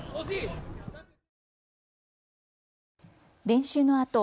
練習のあと